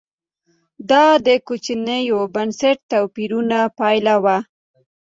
دا د کوچنیو بنسټي توپیرونو پایله وه